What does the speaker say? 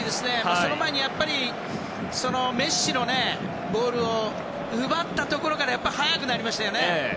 その前に、メッシのボールを奪ったところから早くなりましたよね。